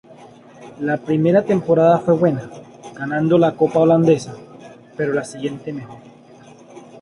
La primera temporada fue buena, ganando la Copa holandesa, pero la siguiente, mejor.